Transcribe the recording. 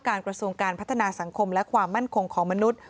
กระทรวงการพัฒนาสังคมและความมั่นคงของมนุษย์